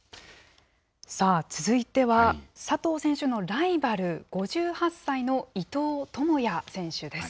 さあ、続いては佐藤選手のライバル、５８歳の伊藤智也選手です。